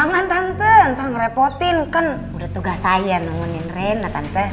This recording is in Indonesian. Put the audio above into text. jangan tante ntar ngerepotin kan udah tugas saya nungguin rena tante